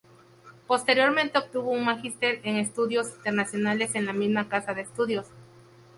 Posteriormente obtuvo un magíster en estudios internacionales en la misma casa de estudios.